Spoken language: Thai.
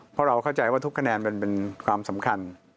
เพราะเราเข้าใจว่าทุกคะแนนเป็นความสำคัญ